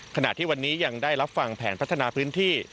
ขณะที่วันนี้ยังได้รับฟังแผนพัฒนาพื้นที่